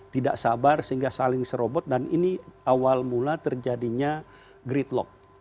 tidak sabar sehingga saling serobot dan ini awal mula terjadinya gridlock